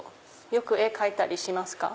よく絵描いたりしますか？